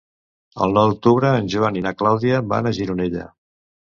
El nou d'octubre en Joan i na Clàudia van a Gironella.